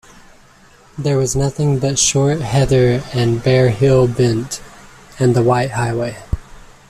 There was nothing but short heather, and bare hill bent, and the white highway.